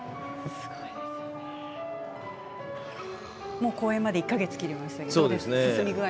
もう公演まで１か月切りましたね。